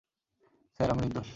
Sir, আমি নির্দোষ।